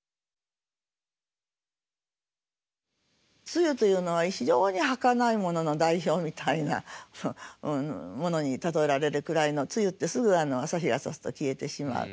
露というのは非常にはかないものの代表みたいなものに例えられるくらいの露ってすぐ朝日がさすと消えてしまう。